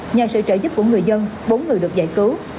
nhờ sự trợ giúp của người dân bốn người được giải cứu